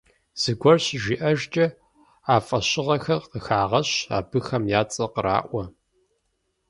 Зыгуэр щыжиӀэжкӀэ, а фӀэщыгъэхэр къыхагъэщ, абыхэм я цӀэ къраӀуэ.